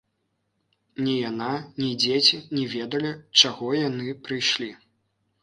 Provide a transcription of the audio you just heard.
Ні яна, ні дзеці не ведалі, чаго яны прыйшлі.